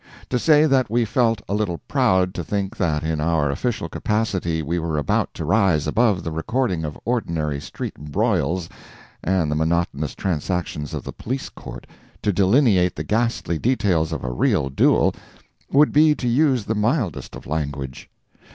To say that we felt a little proud to think that in our official capacity we were about to rise above the recording of ordinary street broils and the monotonous transactions of the Police Court to delineate the ghastly details of a real duel, would be to use the mildest of language.